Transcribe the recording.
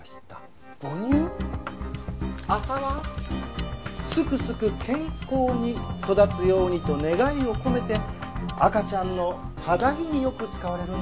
麻はすくすく健康に育つようにと願いを込めて赤ちゃんの肌着によく使われるんですねえ。